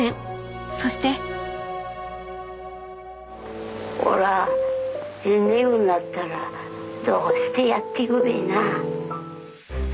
そしておらいねぐなったらどうしてやってくべえな。